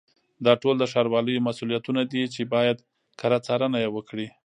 دا ټول د ښاروالیو مسؤلیتونه دي چې باید کره څارنه یې وکړي.